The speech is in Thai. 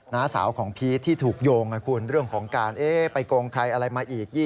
น้าสาวของพีชที่ถูกโยงคุณเรื่องของการไปโกงใครอะไรมาอีก